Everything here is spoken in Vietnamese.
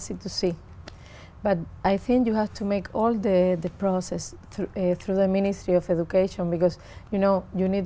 chúng tôi pointed out